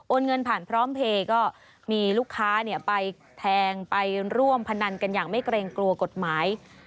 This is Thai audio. เงินผ่านพร้อมเพลย์ก็มีลูกค้าไปแทงไปร่วมพนันกันอย่างไม่เกรงกลัวกฎหมาย